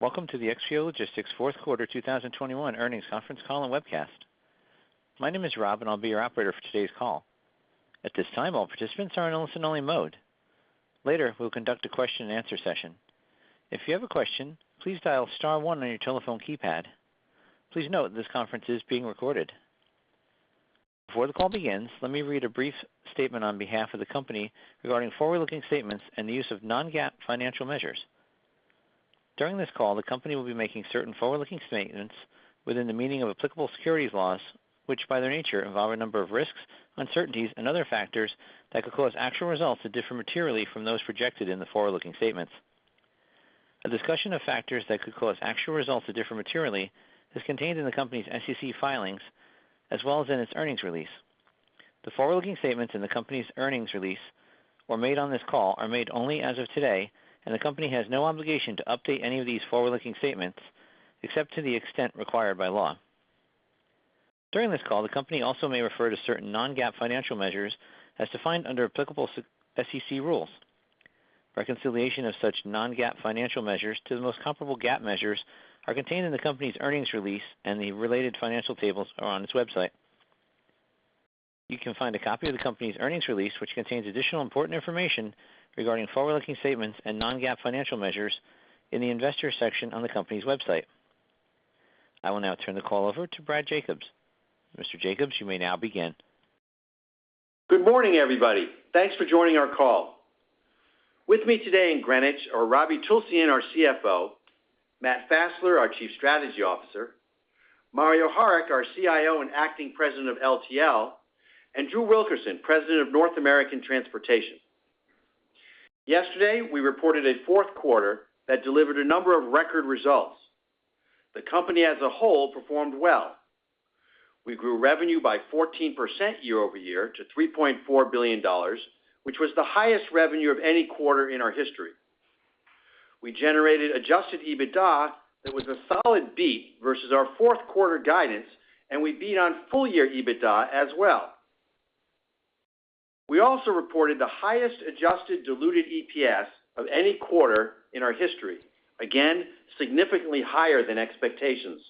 Welcome to the XPO Logistics Fourth Quarter 2021 Earnings Conference Call and Webcast. My name is Rob, and I'll be your operator for today's call. At this time, all participants are in listen-only mode. Later, we'll conduct a question-and-answer session. If you have a question, please dial star one on your telephone keypad. Please note this conference is being recorded. Before the call begins, let me read a brief statement on behalf of the company regarding forward-looking statements and the use of non-GAAP financial measures. During this call, the company will be making certain forward-looking statements within the meaning of applicable securities laws, which by their nature involve a number of risks, uncertainties and other factors that could cause actual results to differ materially from those projected in the forward-looking statements. A discussion of factors that could cause actual results to differ materially is contained in the company's SEC filings as well as in its earnings release. The forward-looking statements in the company's earnings release and made on this call are made only as of today, and the company has no obligation to update any of these forward-looking statements, except to the extent required by law. During this call, the company also may refer to certain non-GAAP financial measures as defined under applicable SEC rules. Reconciliation of such non-GAAP financial measures to the most comparable GAAP measures are contained in the company's earnings release, and the related financial tables are on its website. You can find a copy of the company's earnings release, which contains additional important information regarding forward-looking statements and non-GAAP financial measures in the investor section on the company's website. I will now turn the call over to Brad Jacobs. Mr. Jacobs, you may now begin. Good morning, everybody. Thanks for joining our call. With me today in Greenwich are Ravi Tulsyan, our CFO, Matt Fassler, our Chief Strategy Officer, Mario Harik, our CIO and acting President of LTL, and Drew Wilkerson, President of North American Transportation. Yesterday, we reported a fourth quarter that delivered a number of record results. The company as a whole performed well. We grew revenue by 14% year-over-year to $3.4 billion, which was the highest revenue of any quarter in our history. We generated adjusted EBITDA that was a solid beat versus our fourth quarter guidance, and we beat on full year EBITDA as well. We also reported the highest adjusted diluted EPS of any quarter in our history. Again, significantly higher than expectations.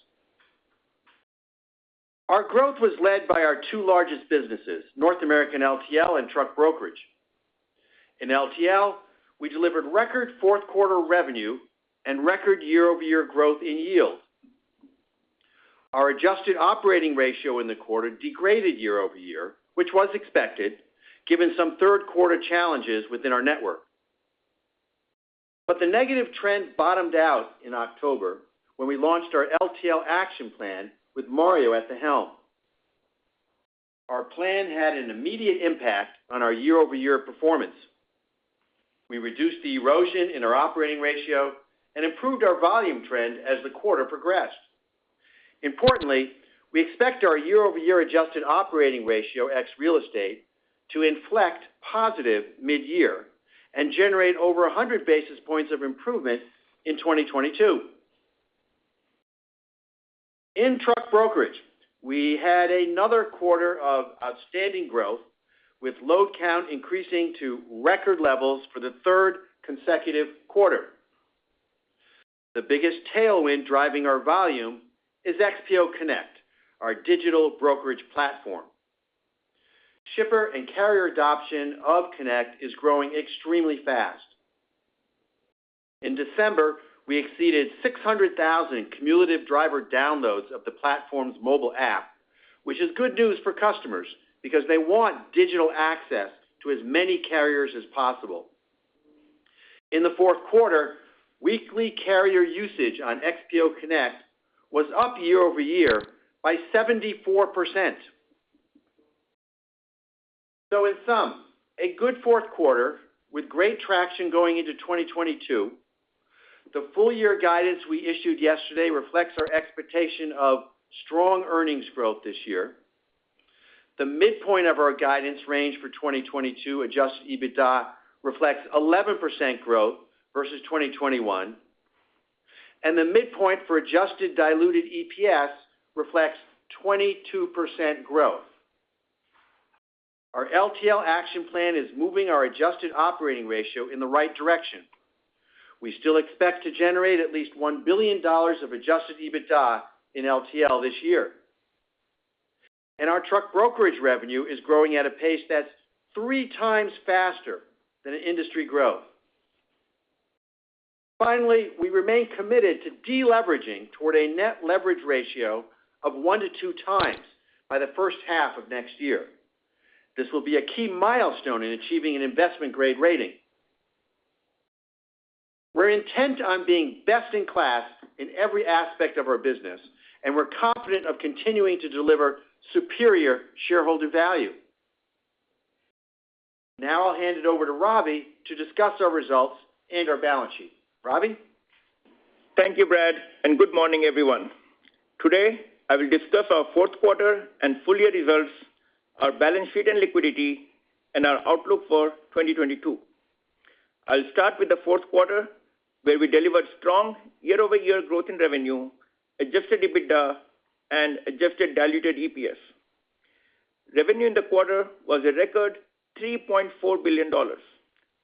Our growth was led by our two largest businesses, North American LTL and Truck Brokerage. In LTL, we delivered record fourth-quarter revenue and record year-over-year growth in yield. Our adjusted operating ratio in the quarter degraded year-over-year, which was expected given some third-quarter challenges within our network. The negative trend bottomed out in October when we launched our LTL action plan with Mario at the helm. Our plan had an immediate impact on our year-over-year performance. We reduced the erosion in our operating ratio and improved our volume trend as the quarter progressed. Importantly, we expect our year-over-year adjusted operating ratio ex real estate to inflect positive mid-year and generate over 100 basis points of improvement in 2022. In truck brokerage, we had another quarter of outstanding growth, with load count increasing to record levels for the third consecutive quarter. The biggest tailwind driving our volume is XPO Connect, our digital brokerage platform. Shipper and carrier adoption of Connect is growing extremely fast. In December, we exceeded 600,000 cumulative driver downloads of the platform's mobile app, which is good news for customers because they want digital access to as many carriers as possible. In the fourth quarter, weekly carrier usage on XPO Connect was up year-over-year by 74%. In sum, a good fourth quarter with great traction going into 2022. The full-year guidance we issued yesterday reflects our expectation of strong earnings growth this year. The midpoint of our guidance range for 2022 adjusted EBITDA reflects 11% growth versus 2021, and the midpoint for adjusted diluted EPS reflects 22% growth. Our LTL action plan is moving our adjusted operating ratio in the right direction. We still expect to generate at least $1 billion of adjusted EBITDA in LTL this year. Our truck brokerage revenue is growing at a pace that's three times faster than industry growth. Finally, we remain committed to deleveraging toward a net leverage ratio of one to two times by the first half of next year. This will be a key milestone in achieving an investment-grade rating. We're intent on being best in class in every aspect of our business, and we're confident of continuing to deliver superior shareholder value. Now I'll hand it over to Robbie to discuss our results and our balance sheet. Robbie? Thank you, Brad, and good morning, everyone. Today, I will discuss our Fourth Quarter and Full Year Results, our balance sheet and liquidity, and our outlook for 2022. I'll start with the fourth quarter, where we delivered strong year-over-year growth in revenue, adjusted EBITDA, and adjusted diluted EPS. Revenue in the quarter was a record $3.4 billion,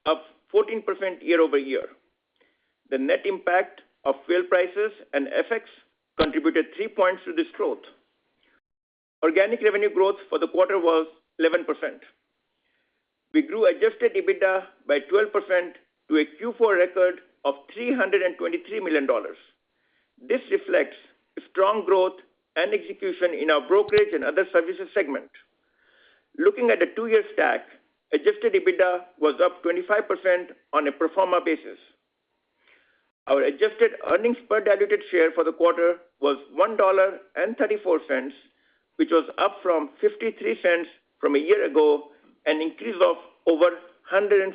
up 14% year-over-year. The net impact of fuel prices and FX contributed 3 points to this growth. Organic revenue growth for the quarter was 11%. We grew adjusted EBITDA by 12% to a Q4 record of $323 million. This reflects strong growth and execution in our Brokerage and other Services segment. Looking at a two-year stack, adjusted EBITDA was up 25% on a pro forma basis. Our adjusted earnings per diluted share for the quarter was $1.34, which was up from $0.53 from a year ago, an increase of over 150%.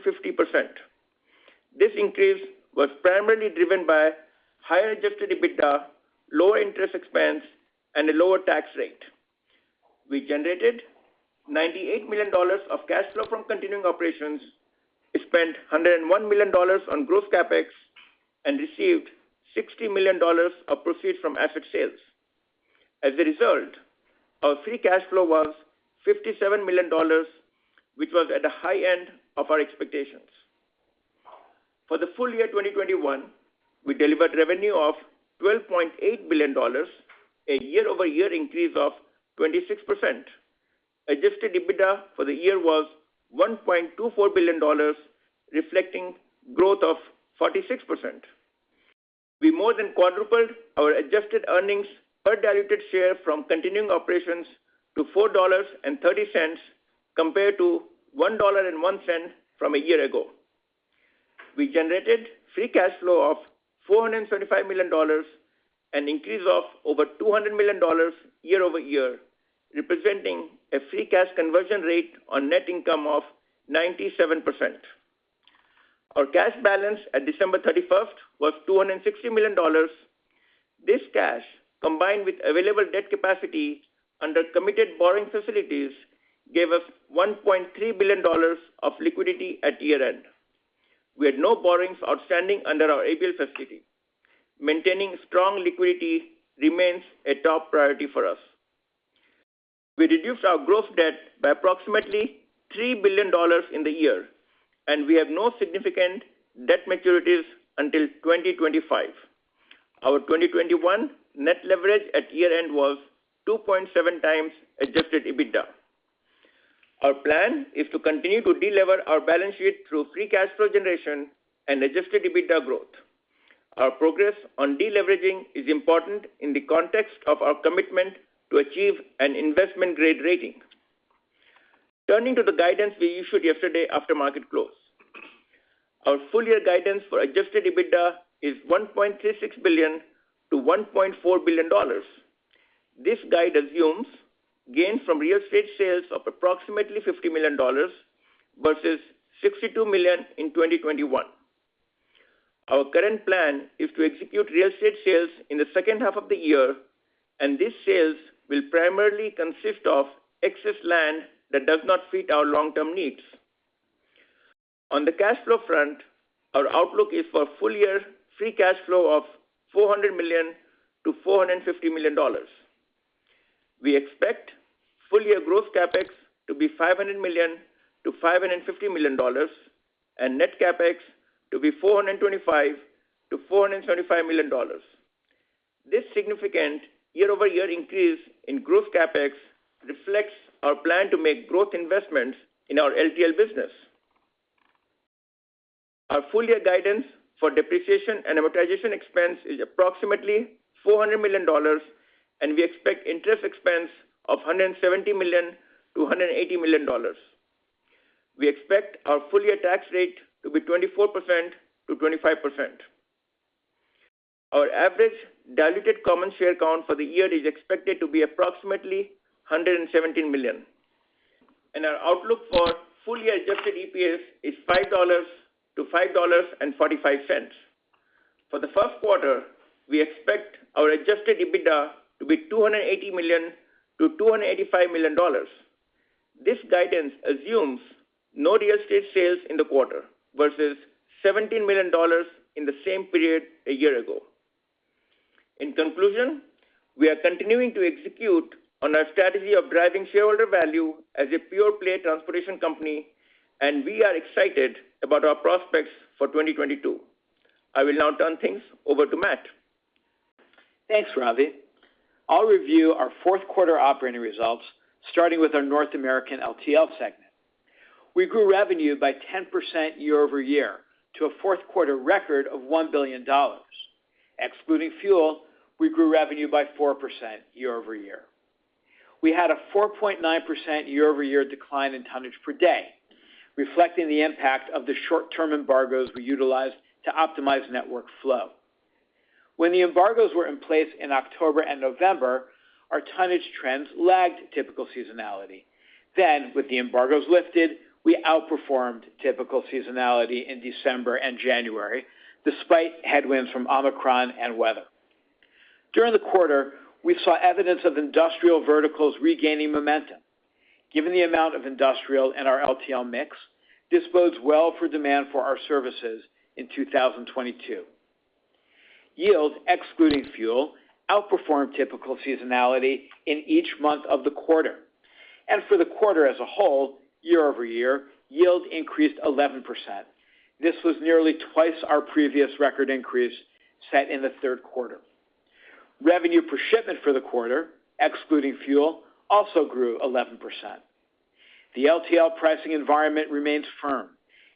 This increase was primarily driven by higher adjusted EBITDA, lower interest expense, and a lower tax rate. We generated $98 million of cash flow from continuing operations and spent $101 million on growth CapEx and received $60 million of proceeds from asset sales. As a result, our free cash flow was $57 million, which was at the high end of our expectations. For the full year 2021, we delivered revenue of $12.8 billion, a year-over-year increase of 26%. Adjusted EBITDA for the year was $1.24 billion, reflecting growth of 46%. We more than quadrupled our adjusted earnings per diluted share from continuing operations to $4.30 compared to $1.01 from a year ago. We generated free cash flow of $425 million, an increase of over $200 million year-over-year, representing a free cash conversion rate on net income of 97%. Our cash balance at December thirty-first was $260 million. This cash, combined with available debt capacity under committed borrowing facilities, gave us $1.3 billion of liquidity at year-end. We had no borrowings outstanding under our ABL facility. Maintaining strong liquidity remains a top priority for us. We reduced our gross debt by approximately $3 billion in the year, and we have no significant debt maturities until 2025. Our 2021 net leverage at year-end was 2.7 times adjusted EBITDA. Our plan is to continue to delever our balance sheet through free cash flow generation and adjusted EBITDA growth. Our progress on deleveraging is important in the context of our commitment to achieve an investment-grade rating. Turning to the guidance we issued yesterday after market close. Our full year guidance for adjusted EBITDA is $1.36 billion-$1.4 billion. This guide assumes gains from real estate sales of approximately $50 million versus $62 million in 2021. Our current plan is to execute real estate sales in the second half of the year, and these sales will primarily consist of excess land that does not fit our long-term needs. On the cash flow front, our outlook is for full-year free cash flow of $400 million-$450 million. We expect full-year growth CapEx to be $500 million-$550 million and net CapEx to be $425 million-$475 million. This significant year-over-year increase in growth CapEx reflects our plan to make growth investments in our LTL business. Our full-year guidance for depreciation and amortization expense is approximately $400 million, and we expect interest expense of $170 million-$180 million. We expect our full-year tax rate to be 24%-25%. Our average diluted common share count for the year is expected to be approximately 117 million. Our outlook for full year adjusted EPS is $5-$5.45. For the first quarter, we expect our adjusted EBITDA to be $280 million-$285 million. This guidance assumes no real estate sales in the quarter versus $17 million in the same period a year ago. In conclusion, we are continuing to execute on our strategy of driving shareholder value as a pure play transportation company, and we are excited about our prospects for 2022. I will now turn things over to Matt. Thanks, Ravi. I'll review our fourth quarter operating results, starting with our North American LTL segment. We grew revenue by 10% year-over-year to a fourth quarter record of $1 billion. Excluding fuel, we grew revenue by 4% year-over-year. We had a 4.9% year-over-year decline in tonnage per day, reflecting the impact of the short-term embargoes we utilized to optimize network flow. When the embargoes were in place in October and November, our tonnage trends lagged typical seasonality. With the embargoes lifted, we outperformed typical seasonality in December and January, despite headwinds from Omicron and weather. During the quarter, we saw evidence of industrial verticals regaining momentum. Given the amount of industrial in our LTL mix, this bodes well for demand for our services in 2022. Yields, excluding fuel, outperformed typical seasonality in each month of the quarter. For the quarter as a whole, year-over-year, yield increased 11%. This was nearly twice our previous record increase set in the third quarter. Revenue per shipment for the quarter, excluding fuel, also grew 11%. The LTL pricing environment remains firm,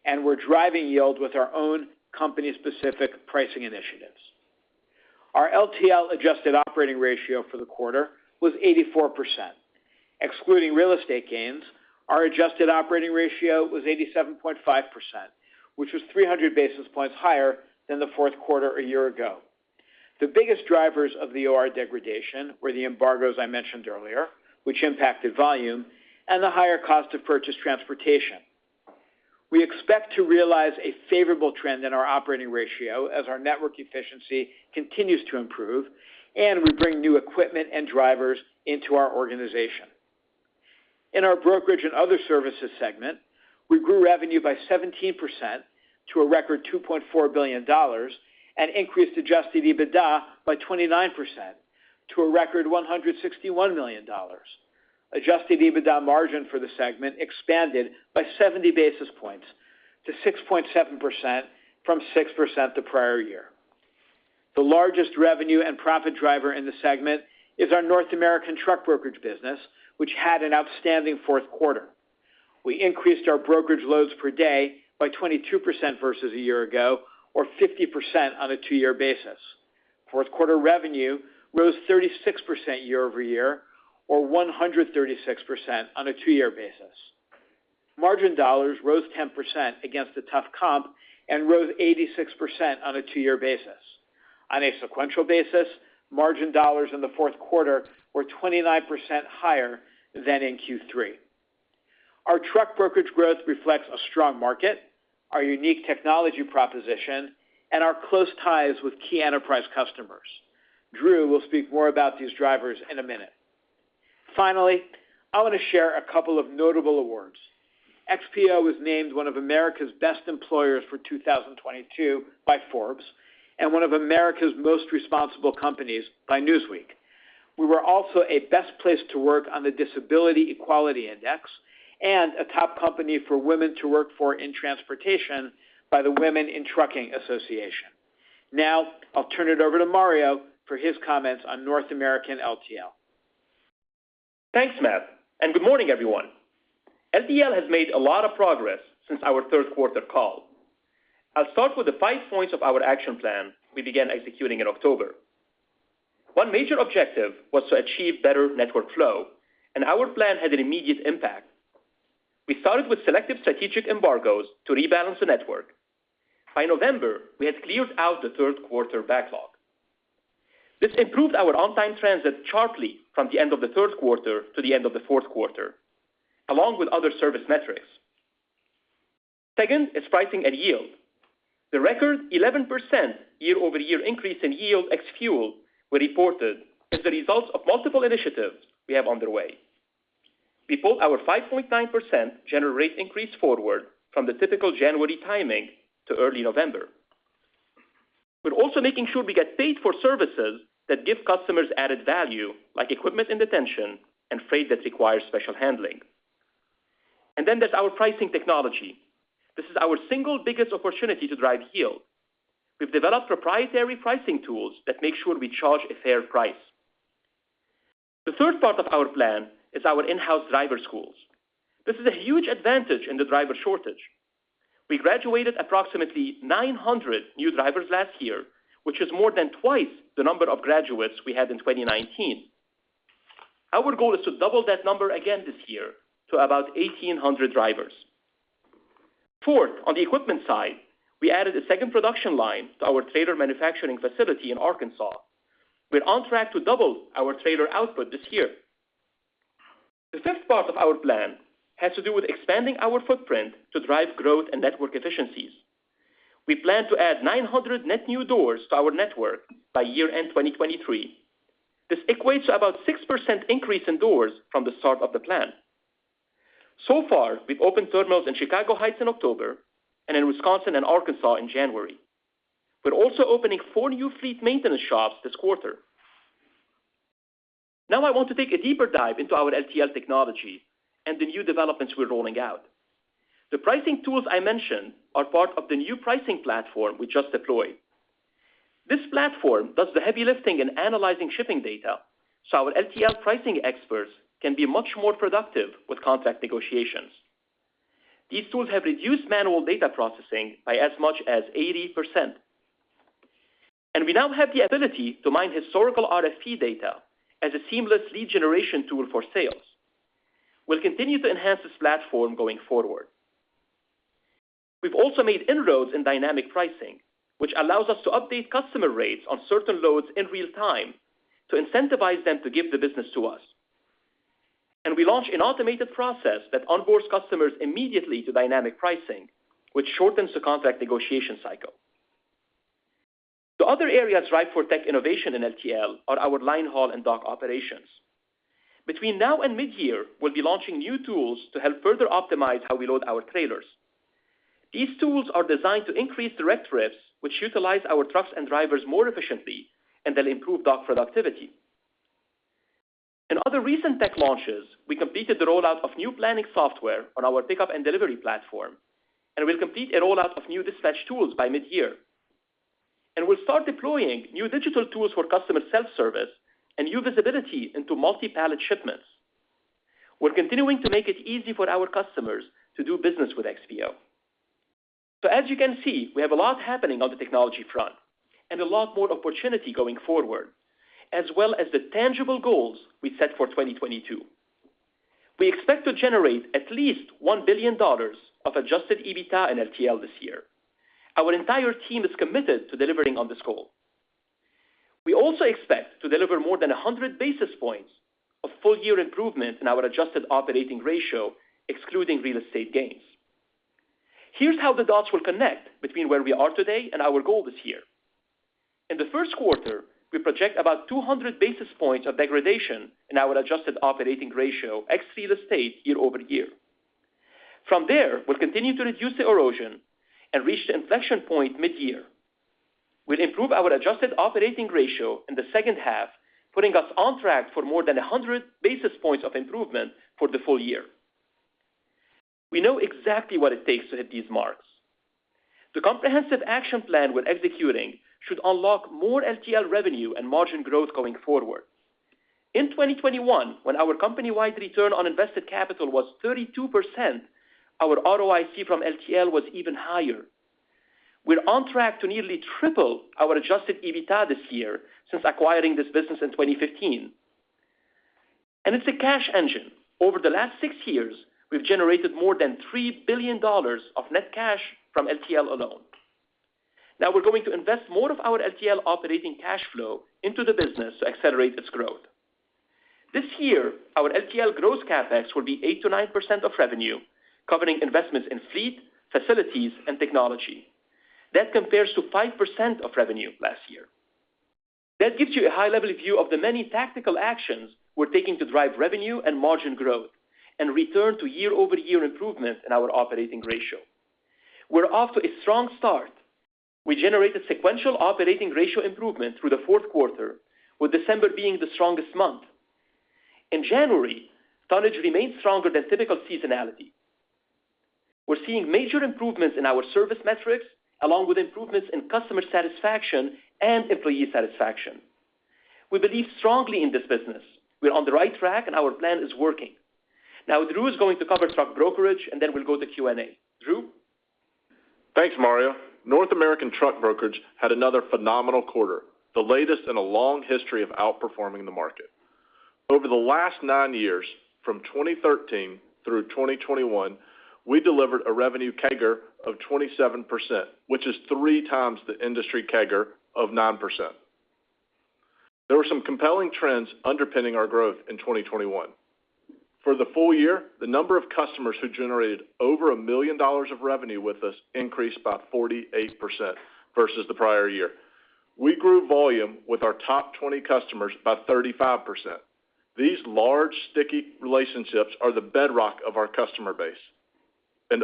and we're driving yield with our own company-specific pricing initiatives. Our LTL adjusted operating ratio for the quarter was 84%. Excluding real estate gains, our adjusted operating ratio was 87.5%, which was 300 basis points higher than the fourth quarter a year ago. The biggest drivers of the OR degradation were the embargoes I mentioned earlier, which impacted volume, and the higher cost of purchased transportation. We expect to realize a favorable trend in our operating ratio as our network efficiency continues to improve, and we bring new equipment and drivers into our organization. In our Brokerage and other Services segment, we grew revenue by 17% to a record $2.4 billion, and increased adjusted EBITDA by 29% to a record $161 million. Adjusted EBITDA margin for the segment expanded by 70 basis points to 6.7% from 6% the prior year. The largest revenue and profit driver in the segment is our North American Truck Brokerage business, which had an outstanding fourth quarter. We increased our brokerage loads per day by 22% versus a year ago, or 50% on a two-year basis. Fourth quarter revenue rose 36% year-over-year, or 136% on a two-year basis. Margin dollars rose 10% against a tough comp, and rose 86% on a two-year basis. On a sequential basis, margin dollars in the fourth quarter were 29% higher than in Q3. Our truck brokerage growth reflects a strong market, our unique technology proposition, and our close ties with key enterprise customers. Drew will speak more about these drivers in a minute. Finally, I want to share a couple of notable awards. XPO was named one of America's Best Employers for 2022 by Forbes, and one of America's Most Responsible Companies by Newsweek. We were also a best place to work on the Disability Equality Index, and a top company for women to work for in transportation by the Women In Trucking Association. Now, I'll turn it over to Mario for his comments on North American LTL. Thanks, Matt, and good morning, everyone. LTL has made a lot of progress since our third quarter call. I'll start with the five points of our action plan we began executing in October. One major objective was to achieve better network flow, and our plan had an immediate impact. We started with selective strategic embargoes to rebalance the network. By November, we had cleared out the third quarter backlog. This improved our on-time transit sharply from the end of the third quarter to the end of the fourth quarter, along with other service metrics. Second is pricing and yield. The record 11% year-over-year increase in yield ex-fuel we reported is the result of multiple initiatives we have underway. We pulled our 5.9% general rate increase forward from the typical January timing to early November. We're also making sure we get paid for services that give customers added value, like equipment and detention, and freight that requires special handling. Then there's our pricing technology. This is our single biggest opportunity to drive yield. We've developed proprietary pricing tools that make sure we charge a fair price. The third part of our plan is our in-house driver schools. This is a huge advantage in the driver shortage. We graduated approximately 900 new drivers last year, which is more than twice the number of graduates we had in 2019. Our goal is to double that number again this year to about 1,800 drivers. Fourth, on the equipment side, we added a second production line to our trailer manufacturing facility in Arkansas. We're on track to double our trailer output this year. The fifth part of our plan has to do with expanding our footprint to drive growth and network efficiencies. We plan to add 900 net new doors to our network by year-end 2023. This equates to about 6% increase in doors from the start of the plan. So far, we've opened terminals in Chicago Heights in October and in Wisconsin and Arkansas in January. We're also opening four new fleet maintenance shops this quarter. Now I want to take a deeper dive into our LTL technology and the new developments we're rolling out. The pricing tools I mentioned are part of the new pricing platform we just deployed. This platform does the heavy lifting in analyzing shipping data, so our LTL pricing experts can be much more productive with contract negotiations. These tools have reduced manual data processing by as much as 80%. We now have the ability to mine historical RFP data as a seamless lead generation tool for sales. We'll continue to enhance this platform going forward. We've also made inroads in dynamic pricing, which allows us to update customer rates on certain loads in real time to incentivize them to give the business to us. We launched an automated process that onboards customers immediately to dynamic pricing, which shortens the contract negotiation cycle. The other areas ripe for tech innovation in LTL are our line haul and dock operations. Between now and mid-year, we'll be launching new tools to help further optimize how we load our trailers. These tools are designed to increase direct trips, which utilize our trucks and drivers more efficiently, and they'll improve dock productivity. In other recent tech launches, we completed the rollout of new planning software on our pickup and delivery platform, and we'll complete a rollout of new dispatch tools by mid-year. We'll start deploying new digital tools for customer self-service and new visibility into multi-pallet shipments. We're continuing to make it easy for our customers to do business with XPO. As you can see, we have a lot happening on the technology front and a lot more opportunity going forward, as well as the tangible goals we set for 2022. We expect to generate at least $1 billion of adjusted EBITDA and LTL this year. Our entire team is committed to delivering on this goal. We also expect to deliver more than 100 basis points of full-year improvement in our adjusted operating ratio, excluding real estate gains. Here's how the dots will connect between where we are today and our goal this year. In the first quarter, we project about 200 basis points of degradation in our adjusted operating ratio, ex real estate year-over-year. From there, we'll continue to reduce the erosion and reach the inflection point mid-year. We'll improve our adjusted operating ratio in the second half, putting us on track for more than 100 basis points of improvement for the full year. We know exactly what it takes to hit these marks. The comprehensive action plan we're executing should unlock more LTL revenue and margin growth going forward. In 2021, when our company-wide return on invested capital was 32%, our ROIC from LTL was even higher. We're on track to nearly triple our adjusted EBITDA this year since acquiring this business in 2015. It's a cash engine. Over the last six years, we've generated more than $3 billion of net cash from LTL alone. Now we're going to invest more of our LTL operating cash flow into the business to accelerate its growth. This year, our LTL gross CapEx will be 8%-9% of revenue, covering investments in fleet, facilities, and technology. That compares to 5% of revenue last year. That gives you a high-level view of the many tactical actions we're taking to drive revenue and margin growth and return to year-over-year improvements in our operating ratio. We're off to a strong start. We generated sequential operating ratio improvement through the fourth quarter, with December being the strongest month. In January, tonnage remained stronger than typical seasonality. We're seeing major improvements in our service metrics, along with improvements in customer satisfaction and employee satisfaction. We believe strongly in this business. We're on the right track, and our plan is working. Now, Drew is going to cover truck brokerage, and then we'll go to Q&A. Drew? Thanks, Mario. North American truck brokerage had another phenomenal quarter, the latest in a long history of outperforming the market. Over the last 9 years, from 2013 through 2021, we delivered a revenue CAGR of 27%, which is three times the industry CAGR of 9%. There were some compelling trends underpinning our growth in 2021. For the full year, the number of customers who generated over $1 million of revenue with us increased by 48% versus the prior year. We grew volume with our top 20 customers by 35%. These large, sticky relationships are the bedrock of our customer base.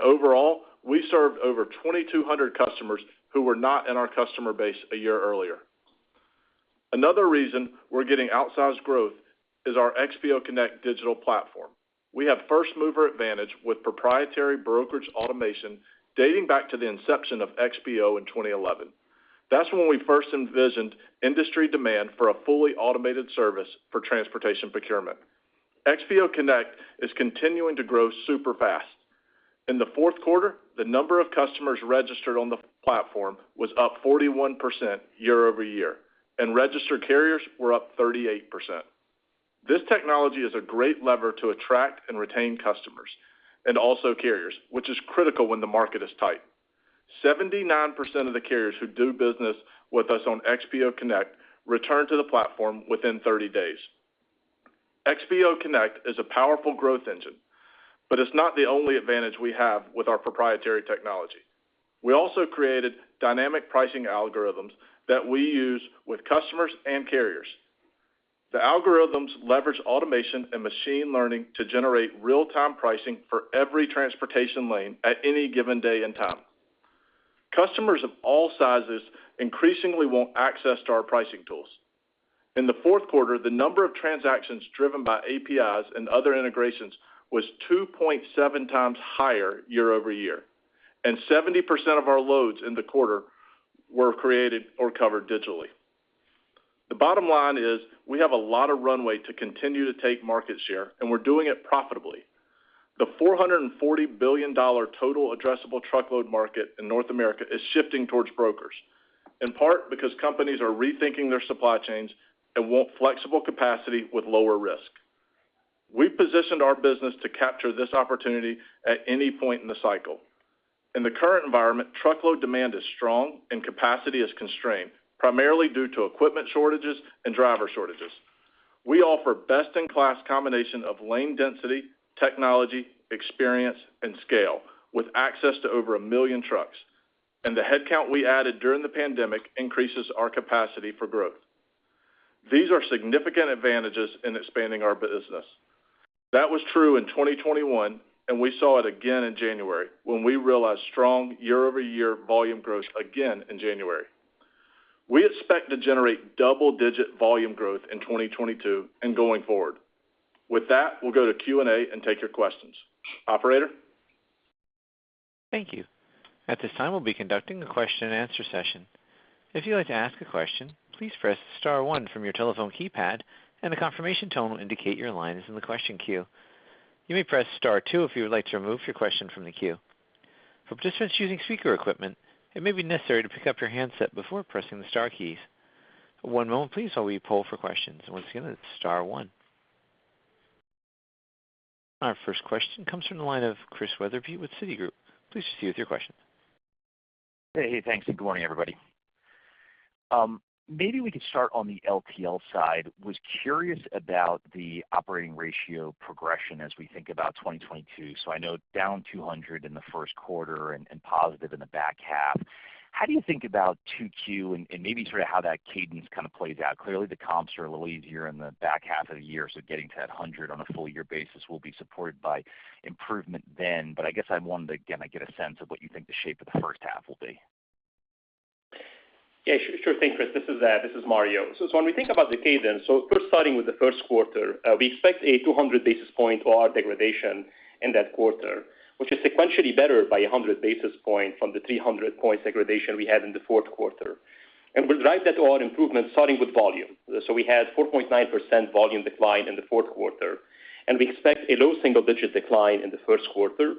Overall, we served over 2,200 customers who were not in our customer base a year earlier. Another reason we're getting outsized growth is our XPO Connect digital platform. We have first-mover advantage with proprietary brokerage automation dating back to the inception of XPO in 2011. That's when we first envisioned industry demand for a fully automated service for transportation procurement. XPO Connect is continuing to grow super fast. In the fourth quarter, the number of customers registered on the platform was up 41% year-over-year, and registered carriers were up 38%. This technology is a great lever to attract and retain customers and also carriers, which is critical when the market is tight. 79% of the carriers who do business with us on XPO Connect return to the platform within 30 days. XPO Connect is a powerful growth engine, but it's not the only advantage we have with our proprietary technology. We also created dynamic pricing algorithms that we use with customers and carriers. The algorithms leverage automation and machine learning to generate real-time pricing for every transportation lane at any given day and time. Customers of all sizes increasingly want access to our pricing tools. In the fourth quarter, the number of transactions driven by APIs and other integrations was 2.7 times higher year-over-year, and 70% of our loads in the quarter were created or covered digitally. The bottom line is we have a lot of runway to continue to take market share, and we're doing it profitably. The $440 billion total addressable truckload market in North America is shifting towards brokers, in part because companies are rethinking their supply chains and want flexible capacity with lower risk. We've positioned our business to capture this opportunity at any point in the cycle. In the current environment, truckload demand is strong and capacity is constrained, primarily due to equipment shortages and driver shortages. We offer best-in-class combination of lane density, technology, experience, and scale with access to over 1 million trucks. The headcount we added during the pandemic increases our capacity for growth. These are significant advantages in expanding our business. That was true in 2021, and we saw it again in January when we realized strong year-over-year volume growth again in January. We expect to generate double-digit volume growth in 2022 and going forward. With that, we'll go to Q&A and take your questions. Operator? Thank you. At this time, we'll be conducting a question-and-answer session. If you'd like to ask a question, please press star one from your telephone keypad, and a confirmation tone will indicate your line is in the question queue. You may press star two if you would like to remove your question from the queue. For participants using speaker equipment, it may be necessary to pick up your handset before pressing the star keys. One moment please while we poll for questions. Once again, it's star one. Our first question comes from the line of Chris Wetherbee with Citigroup. Please proceed with your question. Hey, thanks, and good morning, everybody. Maybe we could start on the LTL side. I was curious about the operating ratio progression as we think about 2022. I know down 200 in the first quarter and positive in the back half. How do you think about 2Q and maybe sort of how that cadence kind of plays out? Clearly, the comps are a little easier in the back half of the year, so getting to that 100 on a full year basis will be supported by improvement then. I guess I wanted to, again, get a sense of what you think the shape of the first half will be. Yeah, sure. Sure thing, Chris. This is Mario. When we think about the cadence, first starting with the first quarter, we expect a 200 basis point OR degradation in that quarter, which is sequentially better by a 100 basis point from the 300 basis point degradation we had in the fourth quarter. We'll drive that OR improvement starting with volume. We had 4.9% volume decline in the fourth quarter, and we expect a low single-digit decline in the first quarter.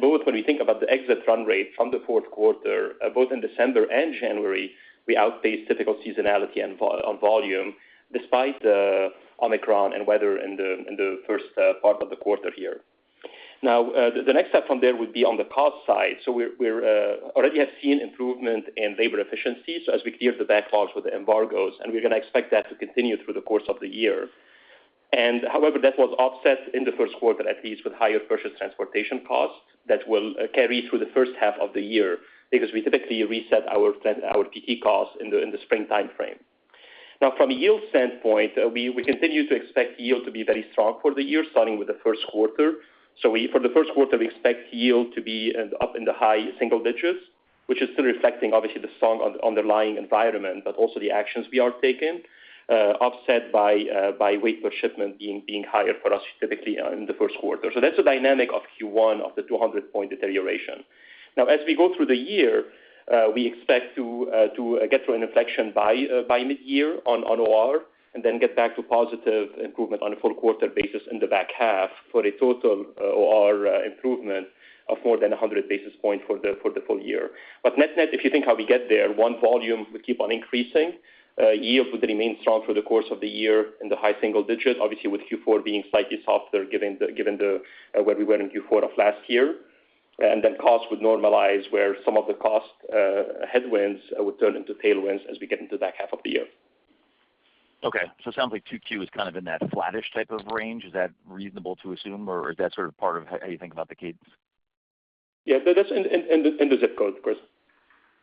Both when we think about the exit run rate from the fourth quarter, both in December and January, we outpaced typical seasonality and on volume despite Omicron and weather in the first part of the quarter here. Now, the next step from there would be on the cost side. We already have seen improvement in labor efficiency. As we clear the backlogs with the embargoes, we're gonna expect that to continue through the course of the year. However, that was offset in the first quarter, at least with higher purchase transportation costs that will carry through the first half of the year because we typically reset our PT costs in the spring timeframe. Now, from a yield standpoint, we continue to expect yield to be very strong for the year, starting with the first quarter. For the first quarter, we expect yield to be up in the high single digits, which is still reflecting obviously the strong underlying environment, but also the actions we are taking, offset by weight per shipment being higher for us typically in the first quarter. That's the dynamic of Q1 of the 200-point deterioration. Now, as we go through the year, we expect to get to an inflection by mid-year on OR and then get back to positive improvement on a full quarter basis in the back half for a total OR improvement of more than 100 basis points for the full year. Net-net, if you think how we get there, one volume will keep on increasing. Yield will remain strong through the course of the year in the high single digits, obviously with Q4 being slightly softer given where we were in Q4 of last year. Then costs would normalize, where some of the cost headwinds would turn into tailwinds as we get into the back half of the year. Okay. It sounds like 2Q is kind of in that flattish type of range. Is that reasonable to assume, or is that sort of part of how you think about the cadence? Yeah, that's in the zip code, Chris.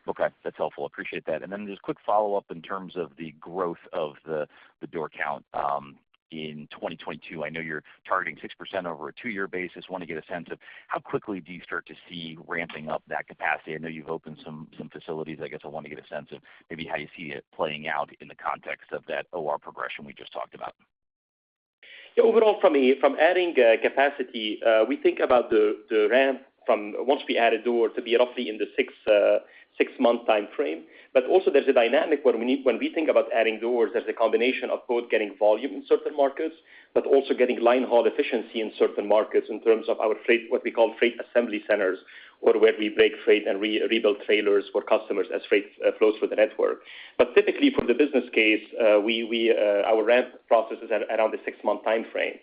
Okay, that's helpful. Appreciate that. Just quick follow-up in terms of the growth of the door count in 2022. I know you're targeting 6% over a two-year basis. Want to get a sense of how quickly do you start to see ramping up that capacity? I know you've opened some facilities. I guess I want to get a sense of maybe how you see it playing out in the context of that OR progression we just talked about. Yeah. Overall from adding capacity, we think about the ramp from once we add a door to be roughly in the six-month timeframe. There's a dynamic when we think about adding doors as a combination of both getting volume in certain markets but also getting line haul efficiency in certain markets in terms of our freight, what we call freight assembly centers, or where we break freight and rebuild trailers for customers as freight flows through the network. Typically from the business case, we, our ramp processes at around the six-month timeframe.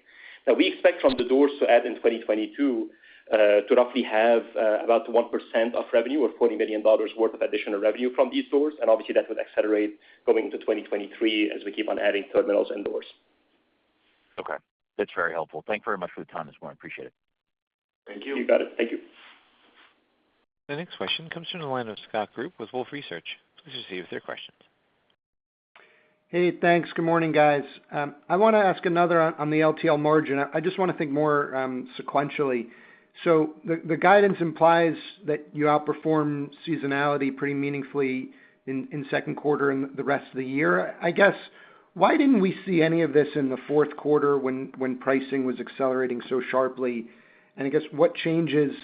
Now, we expect from the doors to add in 2022 to roughly have about 1% of revenue or $40 million worth of additional revenue from these doors. Obviously, that would accelerate going into 2023 as we keep on adding terminals and doors. Okay. That's very helpful. Thank you very much for the time this morning. Appreciate it. Thank you. You got it. Thank you. The next question comes from the line of Scott Group with Wolfe Research. Please proceed with your questions. Hey, thanks. Good morning, guys. I wanna ask another on the LTL margin. I just wanna think more sequentially. The guidance implies that you outperform seasonality pretty meaningfully in second quarter and the rest of the year. I guess why didn't we see any of this in the fourth quarter when pricing was accelerating so sharply? I guess what changes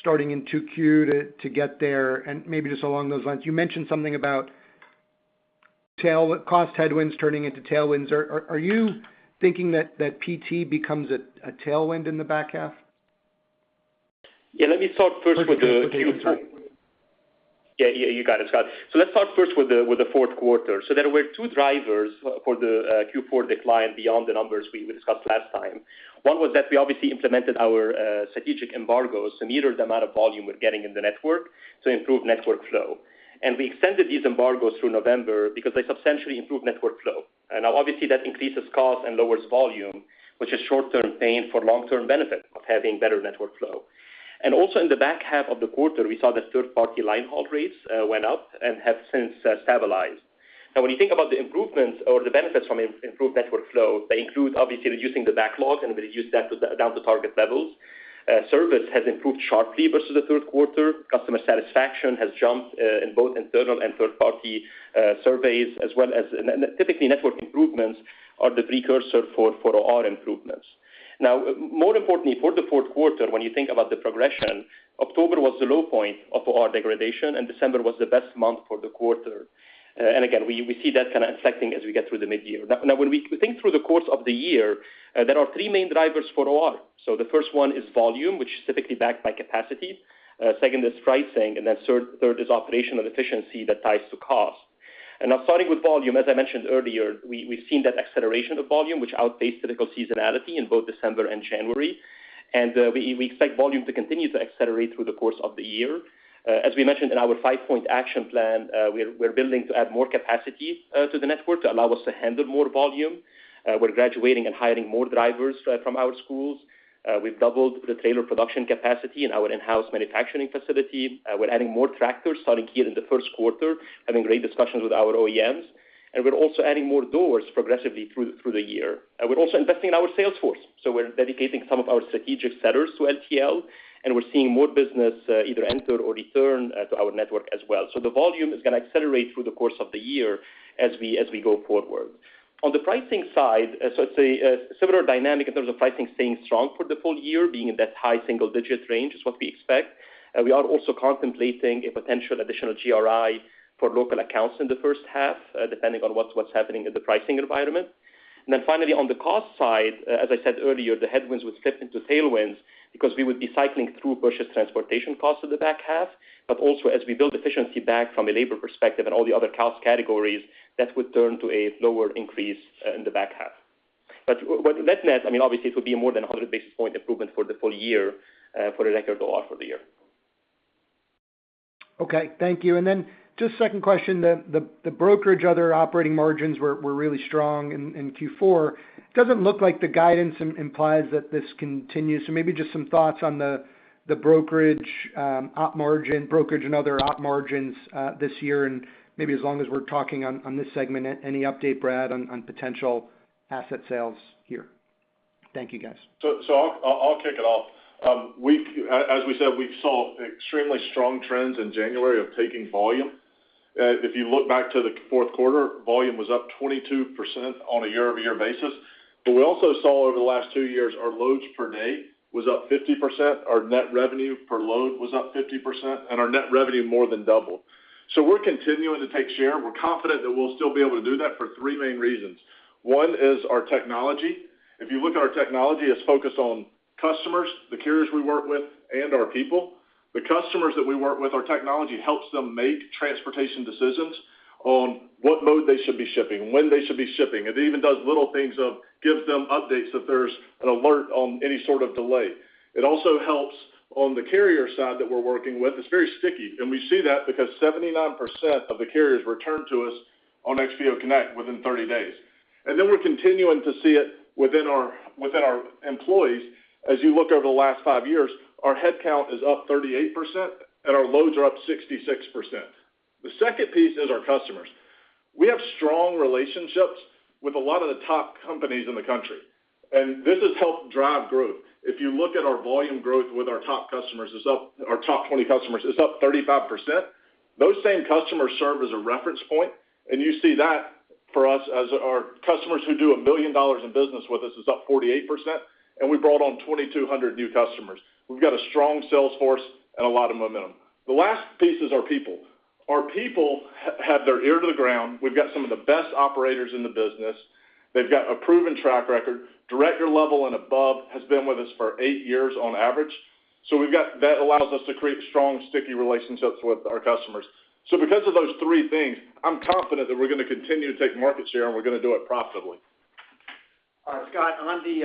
starting in 2Q to get there? Maybe just along those lines, you mentioned something about cost headwinds turning into tailwinds. Are you thinking that PT becomes a tailwind in the back half? Yeah, you got it, Scott. Let's start first with the fourth quarter. There were two drivers for the Q4 decline beyond the numbers we discussed last time. One was that we obviously implemented our strategic embargoes to meter the amount of volume we're getting in the network to improve network flow. We extended these embargoes through November because they substantially improve network flow. Now obviously that increases cost and lowers volume, which is short-term pain for long-term benefit of having better network flow. Also in the back half of the quarter, we saw that third-party line haul rates went up and have since stabilized. Now when you think about the improvements or the benefits from improved network flow, they include obviously reducing the backlog, and we reduced that down to target levels. Service has improved sharply versus the third quarter. Customer satisfaction has jumped in both internal and third party surveys, as well as. Typically, network improvements are the precursor for our improvements. Now, more importantly, for the fourth quarter, when you think about the progression, October was the low point of our degradation, and December was the best month for the quarter. Again, we see that kind of reflecting as we get through the mid-year. Now when we think through the course of the year, there are three main drivers for OR. The first one is volume, which is typically backed by capacity. Second is pricing, and then third is operational efficiency that ties to cost. Now starting with volume, as I mentioned earlier, we've seen that acceleration of volume which outpaced typical seasonality in both December and January. We expect volume to continue to accelerate through the course of the year. As we mentioned in our five-point action plan, we're building to add more capacity to the network to allow us to handle more volume. We're graduating and hiring more drivers from our schools. We've doubled the trailer production capacity in our in-house manufacturing facility. We're adding more tractors starting here in the first quarter, having great discussions with our OEMs. We're also adding more doors progressively through the year. We're also investing in our sales force. We're dedicating some of our strategic sellers to LTL, and we're seeing more business either enter or return to our network as well. The volume is gonna accelerate through the course of the year as we go forward. On the pricing side, as I say, a similar dynamic in terms of pricing staying strong for the full year, being in that high single digit range is what we expect. We are also contemplating a potential additional GRI for local accounts in the first half, depending on what's happening in the pricing environment. Finally, on the cost side, as I said earlier, the headwinds would shift into tailwinds because we would be cycling through purchased transportation costs in the back half. Also, as we build efficiency back from a labor perspective and all the other cost categories, that would turn to a lower increase in the back half. What net, I mean, obviously it would be more than 100 basis point improvement for the full year, for the record of OR for the year. Okay, thank you. Then just second question, the brokerage and other operating margins were really strong in Q4. It doesn't look like the guidance implies that this continues. Maybe just some thoughts on the brokerage op margin and other op margins this year. Maybe as long as we're talking on this segment, any update, Brad, on potential asset sales here? Thank you, guys. I'll kick it off. As we said, we've saw extremely strong trends in January of taking volume. If you look back to the fourth quarter, volume was up 22% on a year-over-year basis. We also saw over the last 2 years, our loads per day was up 50%, our net revenue per load was up 50%, and our net revenue more than doubled. We're continuing to take share. We're confident that we'll still be able to do that for 3 main reasons. One is our technology. If you look at our technology, it's focused on customers, the carriers we work with, and our people. The customers that we work with, our technology helps them make transportation decisions on what mode they should be shipping, when they should be shipping. It even does little things like it gives them updates if there's an alert on any sort of delay. It also helps on the carrier side that we're working with. It's very sticky, and we see that because 79% of the carriers return to us on XPO Connect within 30 days. We're continuing to see it within our employees. As you look over the last 5 years, our headcount is up 38% and our loads are up 66%. The second piece is our customers. We have strong relationships with a lot of the top companies in the country, and this has helped drive growth. If you look at our volume growth with our top 20 customers, it's up 35%. Those same customers serve as a reference point, and you see that for us as our customers who do a million dollars in business with us is up 48%, and we brought on 2,200 new customers. We've got a strong sales force and a lot of momentum. The last piece is our people. Our people have their ear to the ground. We've got some of the best operators in the business. They've got a proven track record. Director level and above has been with us for 8 years on average. We've got that allows us to create strong, sticky relationships with our customers. Because of those three things, I'm confident that we're gonna continue to take market share, and we're gonna do it profitably. Scott, on the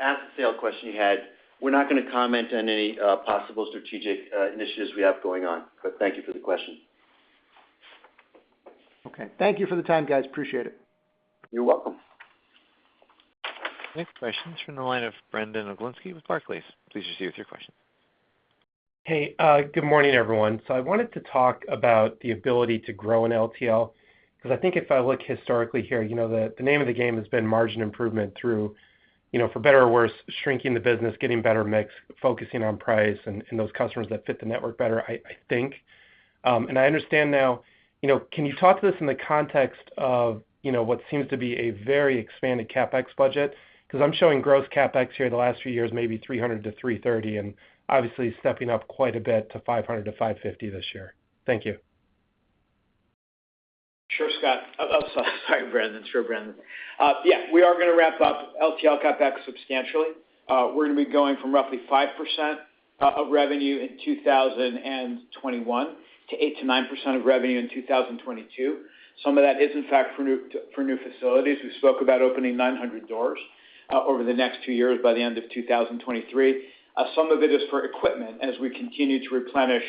asset sale question you had, we're not gonna comment on any possible strategic initiatives we have going on. Thank you for the question. Okay. Thank you for the time, guys. Appreciate it. You're welcome. Next question is from the line of Brandon Oglenski with Barclays. Please proceed with your question. Hey, good morning, everyone. I wanted to talk about the ability to grow in LTL, 'cause I think if I look historically here, you know, the name of the game has been margin improvement through, you know, for better or worse, shrinking the business, getting better mix, focusing on price and those customers that fit the network better, I think. I understand now, you know, can you talk to this in the context of, you know, what seems to be a very expanded CapEx budget? 'Cause I'm showing gross CapEx here the last few years, maybe $300 million-$330 million, and obviously stepping up quite a bit to $500 million-$550 million this year. Thank you. Sure, Scott. Sorry, Brandon. Sure, Brandon. Yeah, we are gonna ramp up LTL CapEx substantially. We're gonna be going from roughly 5% of revenue in 2021 to 8%-9% of revenue in 2022. Some of that is in fact for new facilities. We spoke about opening 900 doors over the next two years by the end of 2023. Some of it is for equipment as we continue to replenish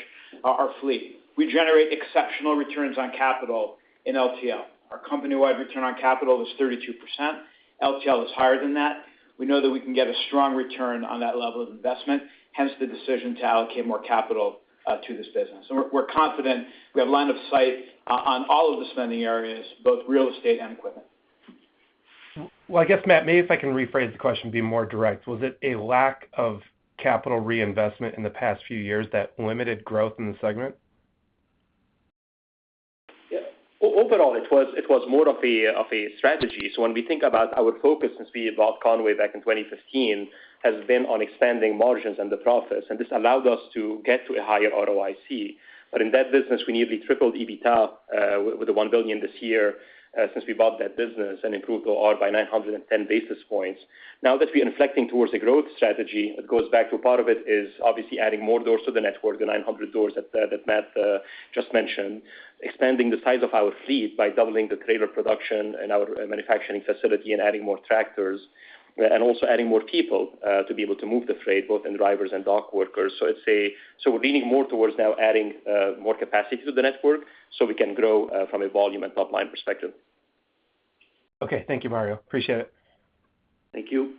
our fleet. We generate exceptional returns on capital in LTL. Our company-wide return on capital is 32%. LTL is higher than that. We know that we can get a strong return on that level of investment, hence the decision to allocate more capital to this business. We're confident we have line of sight on all of the spending areas, both real estate and equipment. Well, I guess, Matt, maybe if I can rephrase the question, be more direct. Was it a lack of capital reinvestment in the past few years that limited growth in the segment? Yeah. Overall, it was more of a strategy. When we think about our focus since we bought Con-way back in 2015 has been on expanding margins and the profits, and this allowed us to get to a higher ROIC. In that business, we nearly tripled EBITDA with the $1 billion this year since we bought that business and improved the OR by 910 basis points. Now that we are inflecting towards a growth strategy, it goes back to part of it is obviously adding more doors to the network, the 900 doors that Matt just mentioned, expanding the size of our fleet by doubling the trailer production in our manufacturing facility and adding more tractors, and also adding more people to be able to move the freight, both in drivers and dock workers. We're leaning more towards now adding more capacity to the network so we can grow from a volume and top-line perspective. Okay. Thank you, Mario. Appreciate it. Thank you.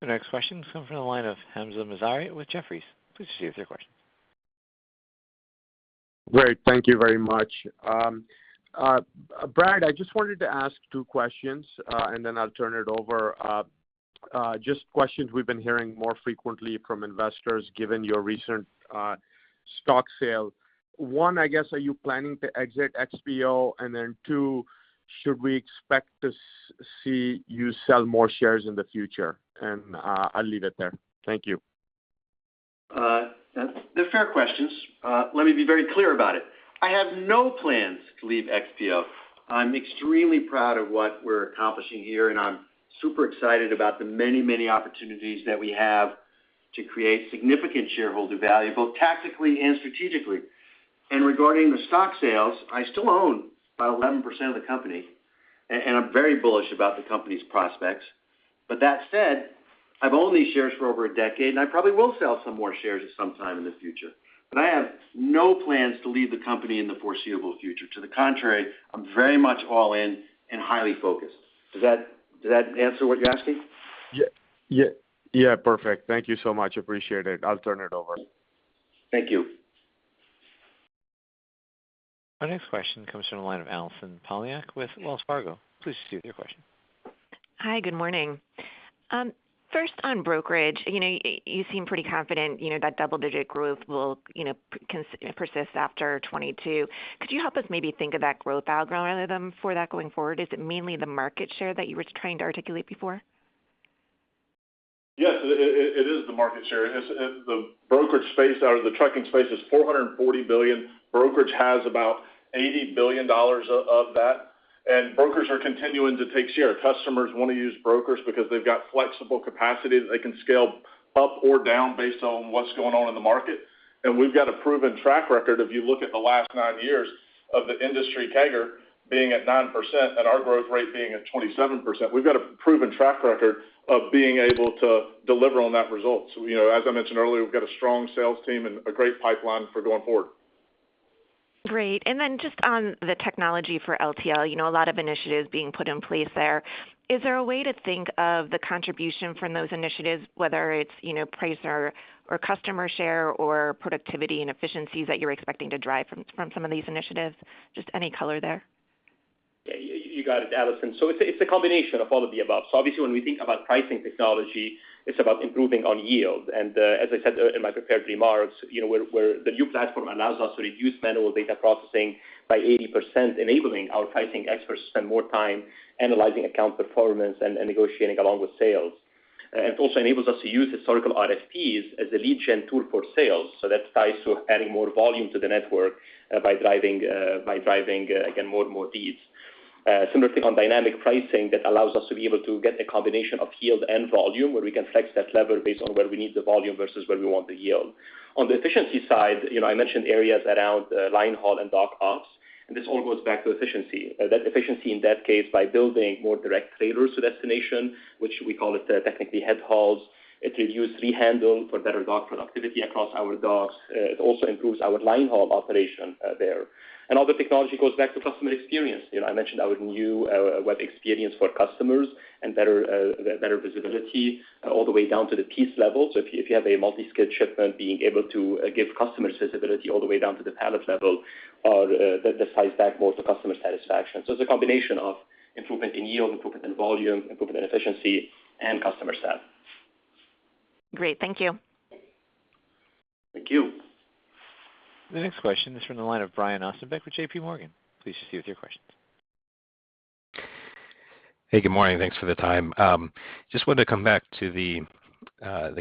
The next question is coming from the line of Hamzah Mazari with Jefferies. Please proceed with your question. Great. Thank you very much. Brad, I just wanted to ask two questions, and then I'll turn it over. Just questions we've been hearing more frequently from investors given your recent stock sale. One, I guess, are you planning to exit XPO? Then two, should we expect to see you sell more shares in the future? I'll leave it there. Thank you. They're fair questions. Let me be very clear about it. I have no plans to leave XPO. I'm extremely proud of what we're accomplishing here, and I'm super excited about the many, many opportunities that we have to create significant shareholder value, both tactically and strategically. Regarding the stock sales, I still own about 11% of the company, and I'm very bullish about the company's prospects. That said, I've owned these shares for over a decade, and I probably will sell some more shares at some time in the future. I have no plans to leave the company in the foreseeable future. To the contrary, I'm very much all in and highly focused. Does that answer what you're asking? Yeah, perfect. Thank you so much. Appreciate it. I'll turn it over. Thank you. Our next question comes from the line of Allison Poliniak-Cusic with Wells Fargo. Please proceed with your question. Hi, good morning. First on brokerage, you know, you seem pretty confident, you know, that double-digit growth will, you know, persist after 2022. Could you help us maybe think of that growth algorithm for that going forward? Is it mainly the market share that you were trying to articulate before? Yes. It is the market share. The brokerage space or the trucking space is $440 billion. Brokerage has about $80 billion of that, and brokers are continuing to take share. Customers want to use brokers because they've got flexible capacity that they can scale up or down based on what's going on in the market. We've got a proven track record. If you look at the last nine years of the industry CAGR being at 9% and our growth rate being at 27%, we've got a proven track record of being able to deliver on that result. You know, as I mentioned earlier, we've got a strong sales team and a great pipeline for going forward. Great. Just on the technology for LTL, you know, a lot of initiatives being put in place there. Is there a way to think of the contribution from those initiatives, whether it's, you know, price or customer share or productivity and efficiencies that you're expecting to drive from some of these initiatives? Just any color there. Yeah. You got it, Allison. It's a combination of all of the above. Obviously, when we think about pricing technology, it's about improving on yield. As I said earlier in my prepared remarks, the new platform allows us to reduce manual data processing by 80%, enabling our pricing experts to spend more time analyzing account performance and negotiating along with sales. It also enables us to use historical RFPs as a lead gen tool for sales, so that ties to adding more volume to the network by driving again more and more deals. Similarly on dynamic pricing, that allows us to be able to get a combination of yield and volume, where we can flex that lever based on where we need the volume versus where we want the yield. On the efficiency side, you know, I mentioned areas around line haul and dock ops, and this all goes back to efficiency. That efficiency in that case by building more direct trailers to destination, which we call it, technically headhauls. It reduced rehandle for better dock productivity across our docks. It also improves our line haul operation, there. All the technology goes back to customer experience. You know, I mentioned our new web experience for customers and better visibility all the way down to the piece level. If you have a multi-skid shipment, being able to give customers visibility all the way down to the pallet level, that adds to customer satisfaction. It's a combination of improvement in yield, improvement in volume, improvement in efficiency, and customer sat. Great. Thank you. Thank you. The next question is from the line of Brian Ossenbeck with JPMorgan. Please proceed with your questions. Hey, good morning. Thanks for the time. Just wanted to come back to the